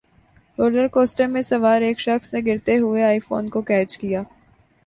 roller کوسٹرمیں سوار ایک شخص نے گرتے ہوئے آئی فون کو کیچ کیا